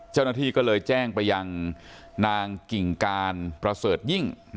เจ้าหน้าที่ก็เลยแจ้งไปยังนางกิ่งการประเสริฐยิ่ง